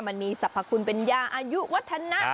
มันมีสรรพคุณเป็นยาอายุวัฒนะ